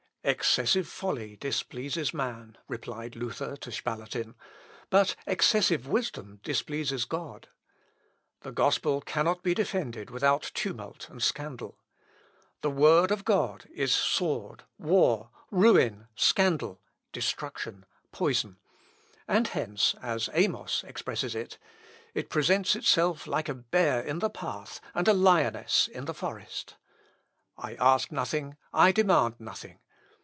"Excessive folly displeases man," replied Luther to Spalatin, "but excessive wisdom displeases God. The gospel cannot be defended without tumult and scandal. The word of God is sword, war, ruin, scandal, destruction, poison;" and, hence, as Amos expresses it, "it presents itself like a bear in the path, and a lioness in the forest. I ask nothing, I demand nothing.